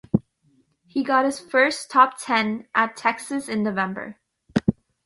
He got his first top ten at Texas in November.